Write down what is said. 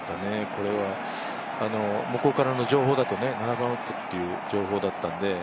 向こうからの情報だと、７番ウッドという情報だったんで。